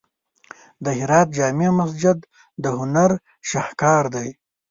د هرات جامع مسجد د هنر شاهکار دی.